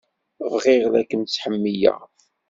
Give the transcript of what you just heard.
Bdiɣ la kem-ttḥemmileɣ.